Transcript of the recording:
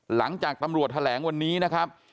หลังจากตำรวจแถลงวันนี้นะครับ